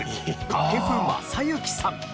掛布雅之さん。